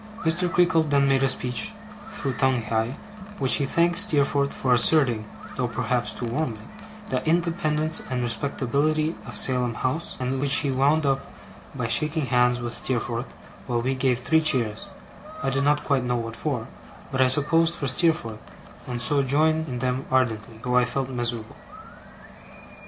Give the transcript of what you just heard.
Mr. Creakle then made a speech, through Tungay, in which he thanked Steerforth for asserting (though perhaps too warmly) the independence and respectability of Salem House; and which he wound up by shaking hands with Steerforth, while we gave three cheers I did not quite know what for, but I supposed for Steerforth, and so joined in them ardently, though I felt miserable.